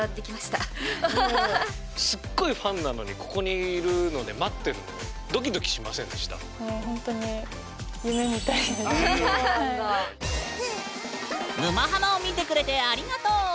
すっごいファンなのにここにいるので待ってるのもうほんとに「沼ハマ」を見てくれてありがとう！